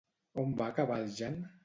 On va acabar el Jan?